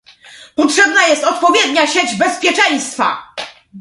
Potrzebna jest odpowiednia sieć bezpieczeństwa